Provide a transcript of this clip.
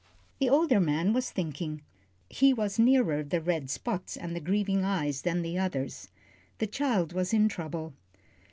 The older man was thinking. He was nearer the red spots and the grieving eyes than the others. The child was in trouble.